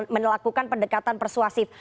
menelakukan pendekatan persuasif